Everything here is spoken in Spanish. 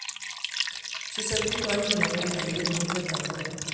Su segundo año en el Real Madrid no fue tan bueno.